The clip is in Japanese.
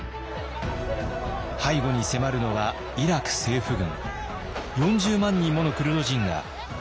背後に迫るのはイラク政府軍。